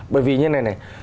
bởi vì như thế này này